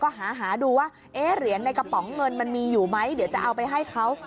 ก็หาดูว่าเหรียญในกระป๋องเงินมันมีอยู่ไหมเดี๋ยวจะเอาไปให้เขา